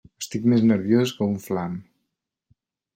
Estic més nerviós que un flam!